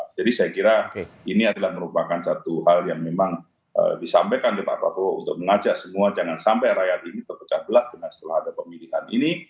jadi saya kira ini adalah merupakan suatu hal yang memang disampaikan oleh pak prabowo untuk mengajak semua jangan sampai rakyat ini terpecah belah dengan setelah ada pemilihan ini